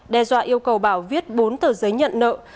đe dọa yêu cầu bảo viết bốn tờ giấy nhận nợ